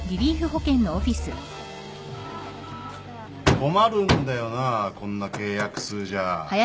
困るんだよなこんな契約数じゃ。